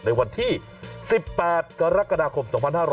ในวันที่๑๘กรกฎาคม๒๕๖๐